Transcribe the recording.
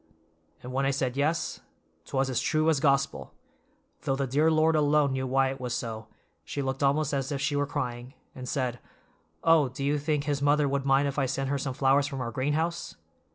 '" "And when I said yes, 'twas as true as Gospel, though the dear Lord alone knew why it was so, she looked almost as if she were crying, and said, 'Oh, do you think his mother would mind if I sent her some flowers from our greenhouse?